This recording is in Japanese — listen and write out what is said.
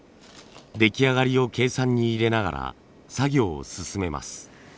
出来上がりを計算に入れながら作業を進めます。